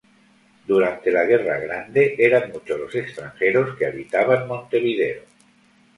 Durante la Guerra Grande eran muchos los extranjeros que habitaban Montevideo.